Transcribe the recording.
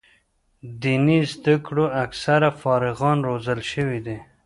دیني زده کړو اکثره فارغان روزل شوي دي.